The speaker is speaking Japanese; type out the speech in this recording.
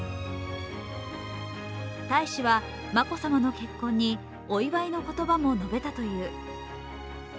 大使は、眞子さまの結婚にお祝いの言葉も述べたという。